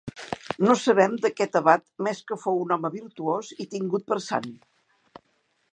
No sabem d'aquest abat més que fou un home virtuós i tingut per sant.